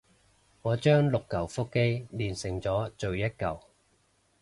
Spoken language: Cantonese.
我將六舊腹肌鍊成咗做一舊